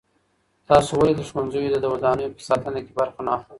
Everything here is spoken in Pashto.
تاسې ولې د ښوونځیو د ودانیو په ساتنه کې برخه نه اخلئ؟